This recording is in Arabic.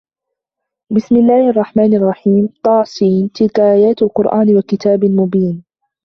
بِسْمِ اللَّهِ الرَّحْمَنِ الرَّحِيمِ طس تِلْكَ آيَاتُ الْقُرْآنِ وَكِتَابٍ مُبِينٍ